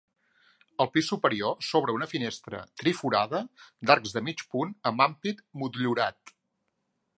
Al pis superior s'obre una finestra triforada d'arcs de mig punt amb ampit motllurat.